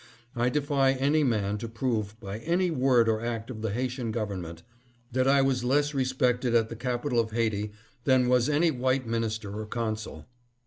I defy any man to prove, by any word or act of the Haitian Govern ment, that I was less respected at the capital of Haiti than was any white minister or consul.